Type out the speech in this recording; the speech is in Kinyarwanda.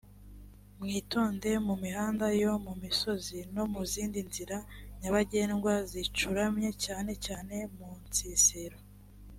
mwitonde mu mihanda yo mu misozi no mu zindi nzira nyabagendwa zicuramye cyane cyane mu nsisiro